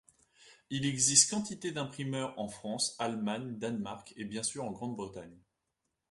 Il existe quantité d'imprimeurs en France, Allemagne, Danemark et bien sûr en Grande-Bretagne.